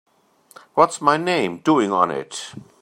What's my name doing on it?